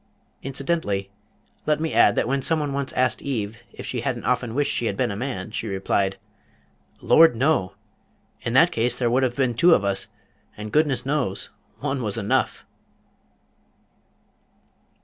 Incidentally let me add that when someone once asked Eve if she hadn't often wished she had been a man, she replied: "Lord no! In that case there would have been two of us, and goodness knows one was enough!"